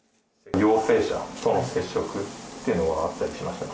陽性者との接触っていうのはあったりしましたか？